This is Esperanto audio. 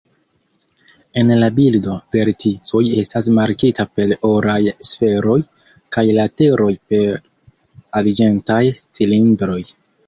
En la bildo verticoj estas markita per oraj sferoj, kaj lateroj per arĝentaj cilindroj.